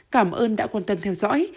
cảm ơn đã quan tâm theo dõi